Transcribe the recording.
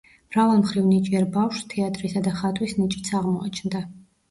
მრავალმხრივ ნიჭიერ ბავშვს თეატრისა და ხატვის ნიჭიც აღმოაჩნდა.